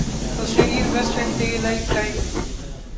Australian Western daylight time